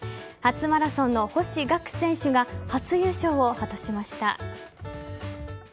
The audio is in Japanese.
初マラソンの星岳選手が初優勝を果たしました。